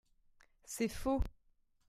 C’est faux.